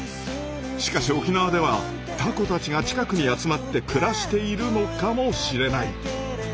しかし沖縄ではタコたちが近くに集まって暮らしているのかもしれない。